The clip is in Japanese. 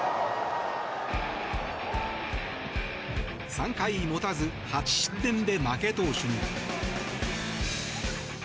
３回持たず８失点で負け投手に。